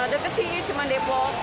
dekat sini cuman depok